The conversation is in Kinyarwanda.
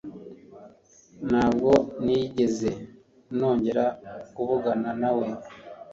Ntabwo nigeze nongera kuvugana nawe.